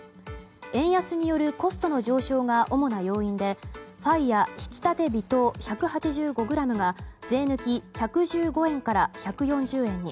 円安によるコストの上昇が主な要因でファイア挽きたて微糖１８５ｇは税抜き１１５円から１４０円に。